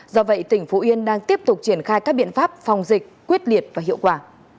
do vậy tỉnh phú yên đang tiếp tục triển khai các biện pháp phòng dịch quyết liệt và hiệu quả